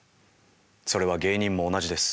それは芸人も同じです。